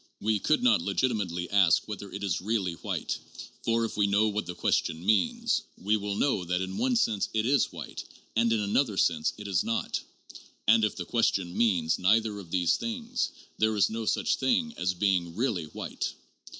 '' We could not legitimately ask wheth er it is "really" white; for if we know what the question means, we will know that in one sense it is white and in another sense it is not, and if the question means neither of these things, there is no such thing as being "really" white.